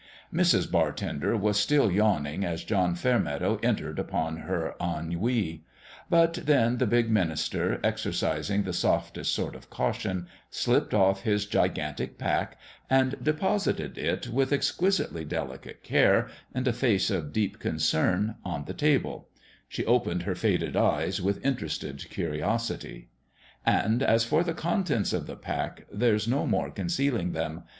Mrs. Bartender was still yawning as John Fairmeadow entered upon her ennui ; but when the big minister, exercising the softest sort of caution, slipped off his gigantic pack, and deposited it with exquisitely delicate care, and a face of deep concern, on the table, she opened her faded eyes with interested curiosity. And as for the contents of the pack, there's no more concealing them